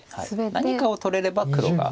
何かを取れれば黒が。